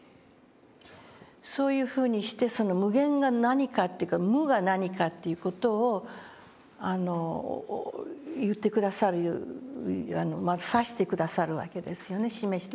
そういうふうにして無限が何かっていうか無が何かっていう事を言って下さる指して下さるわけですよね示して。